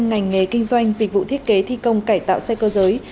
ngành nghề kinh doanh dịch vụ thiết kế thi công cải tạo xe cơ giới